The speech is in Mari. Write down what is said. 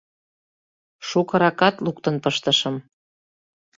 — Шукыракат луктын пыштышым.